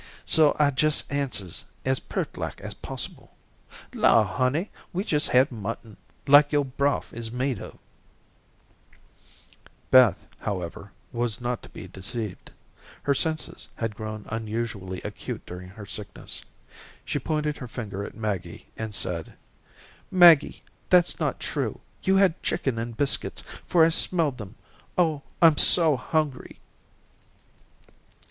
So I jes' answers as pert like as pos'ble. 'Law, honey, we jes' had mutton like yo'r brof is made of.'" Beth, however, was not to be deceived. Her senses had grown unusually acute during her sickness. She pointed her finger at Maggie and said: "Maggie, that's not true. You had chicken and biscuits, for I smelled them. Oh, I'm so hungry."